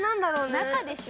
中でしょ。